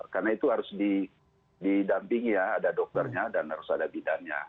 karena itu harus didampingi ya ada dokternya dan harus ada bidannya